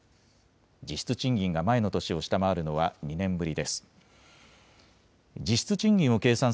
実質賃金が前の年を下回るのは２年ぶりです。